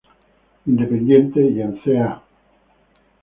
Independiente y en C. A. Newells Old Boys.